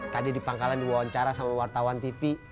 tadi di pangkalan di wawancara sama wartawan tv